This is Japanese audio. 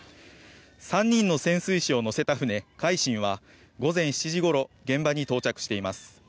３人の潜水士を乗せた船「海進」は午前７時ごろ現場に到着しています。